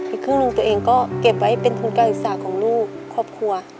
อีกครึ่งหนึ่งตัวเองก็เก็บไว้เป็นทุนการศึกษาของลูกครอบครัว